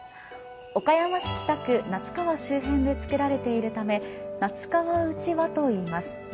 岡山市北区撫川周辺で作られているため撫川うちわといいます。